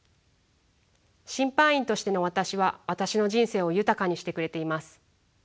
審判員としての私は私の人生を豊かにしてくれています。